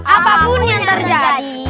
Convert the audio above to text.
apapun yang terjadi